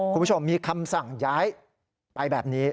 คุณผู้ชมมีคำสั่งย้ายไปแบบนี้